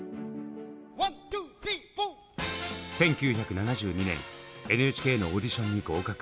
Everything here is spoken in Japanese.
１９７２年ＮＨＫのオーディションに合格。